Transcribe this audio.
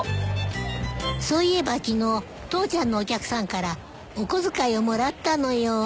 そういえば昨日父ちゃんのお客さんからお小遣いをもらったのよ。